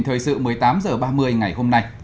thời sự một mươi tám h ba mươi ngày hôm nay